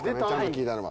聞いたのは。